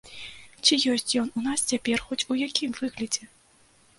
Ці ёсць ён у нас цяпер хоць у якім выглядзе?